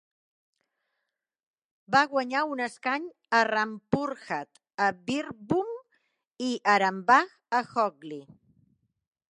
Va guanyar un escany a Rampurhat a Birbhum i Arambagh a Hooghly.